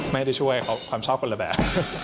ไม่ได้ช่วยเขาความชอบคนละแบบ